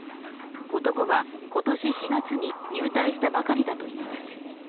男は今年４月に入隊したばかりだといいます。